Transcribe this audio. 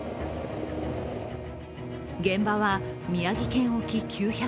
現場は宮城県沖９００ｋｍ。